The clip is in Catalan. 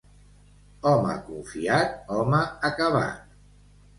Home confiat, home acabat.